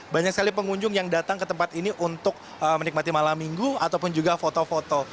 banyak sekali pengunjung yang datang ke tempat ini untuk menikmati malam minggu ataupun juga foto foto